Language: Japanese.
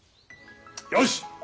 よし。